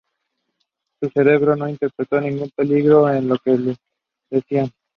Su cerebro no interpretó ningún peligro en lo que le decían.